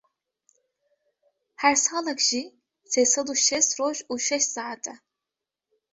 Her salek jî sê sed û şêst roj û şeş seat e.